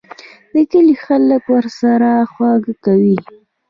د کلي خلک ورسره خواږه کوي.